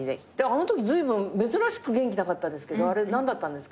あのときずいぶん珍しく元気なかったですけどあれ何だったんですか？